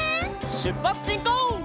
しゅっぱつしんこう！